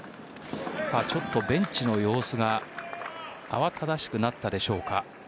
ちょっとベンチの様子が慌ただしくなったでしょうか。